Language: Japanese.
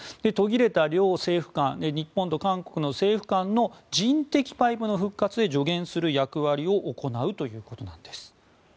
途切れた両政府間日本と韓国の政府間の人的パイプの復活へ助言する役割を行うということです。